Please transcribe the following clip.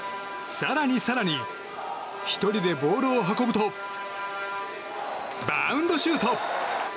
更に更に１人でボールを運ぶとバウンドシュート！